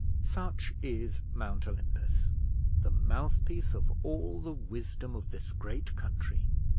Such is Mount Olympus, the mouthpiece of all the wisdom of this great country.